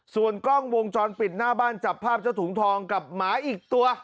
ส่วนกล้องวงจรปิดหน้าบ้านจับภาพเจ้าถุงทองกับหมาอีกตัว